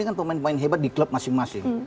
ini kan pemain pemain hebat di klub masing masing